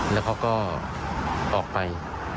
แล้วเขาก็ออกไป